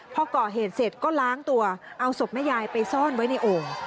พอก่อเหตุเสร็จก็ล้างตัวเอาศพแม่ยายไปซ่อนไว้ในโอ่ง